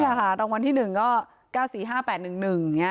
นี่ค่ะรางวัลที่๑ก็๙๔๕๘๑๑